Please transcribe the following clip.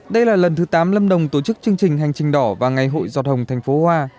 đây là lần thứ tám lâm đồng tổ chức chương trình hành trình đỏ và ngày hội giọt hồng thành phố hoa